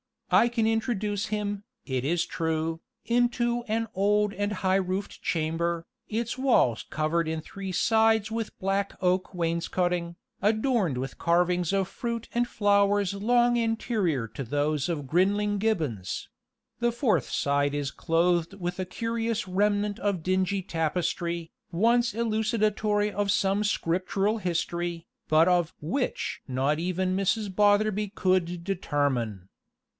I can introduce him, it is true, into an old and high roofed chamber, its walls covered in three sides with black oak wainscoting, adorned with carvings of fruit and flowers long anterior to those of Grinling Gibbons; the fourth side is clothed with a curious remnant of dingy tapestry, once elucidatory of some Scriptural history, but of which not even Mrs. Botherby could determine.